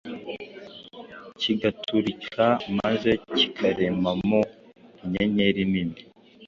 kigaturika maze kikiremamo inyenyeri nini